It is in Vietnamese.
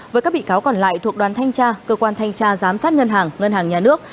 với các bị cáo còn lại thuộc đoàn thanh tra cơ quan thanh tra giám sát ngân hàng ngân hàng nhà nước